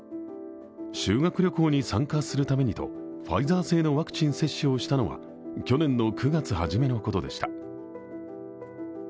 修学旅行に参加するためにとファイザー製のワクチン接種をしたのは去年の９月初めのことでした。